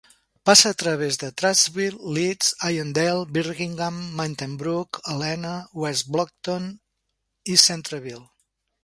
Passa a través de Trussville, Leeds, Irondale, Birmingham, Mountain Brook, Helena, West Blocton i Centreville.